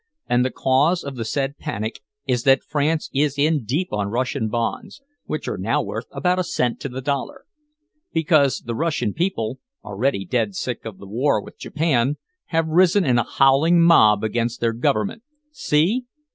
And the cause of the said panic is that France is in deep on Russian bonds, which are now worth about a cent to the dollar. Because the Russian people already dead sick of the war with Japan have risen in a howling mob against their government. See?"